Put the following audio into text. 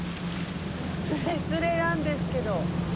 スレスレなんですけど。